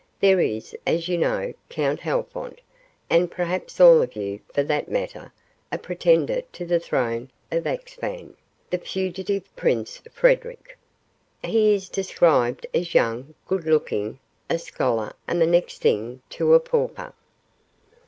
There is, as you know, Count Halfont, and perhaps all of you, for that matter, a pretender to the throne of Axphain, the fugitive Prince Frederic. He is described as young, good looking, a scholar and the next thing to a pauper."